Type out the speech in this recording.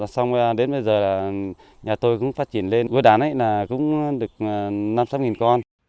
xong đến bây giờ là nhà tôi cũng phát triển lên ưa đán là cũng được năm trăm linh con